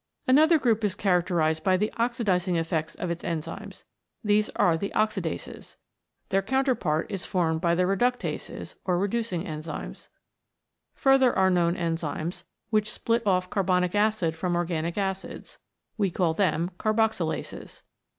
Another group is characterised by the oxidising effects of its enzymes. These are the Oxidases. Their counterpart is formed by the Reductases, or reducing enzymes. Further are known enzymes, which split off carbonic acid from organic acids. We call them Carboxylases.